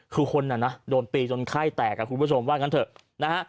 คือคนนะโดนปีจนไข้แตกคุณผู้ชมว่ากันเถอะ